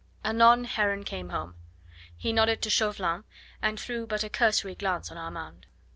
Anon Heron came home. He nodded to Chauvelin, and threw but a cursory glance on Armand.